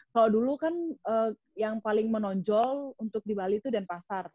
kalau dulu kan yang paling menonjol untuk di bali itu denpasar